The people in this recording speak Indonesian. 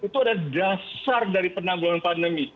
itu adalah dasar dari penanggulan pandemi